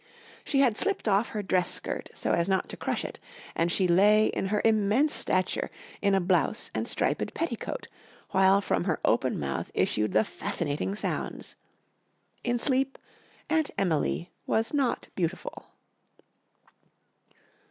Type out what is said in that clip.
She had slipped off her dress skirt so as not to crush it, and she lay in her immense stature in a blouse and striped petticoat, while from her open mouth issued the fascinating sounds. In sleep Aunt Emily was not beautiful.